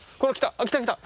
あ来た来た。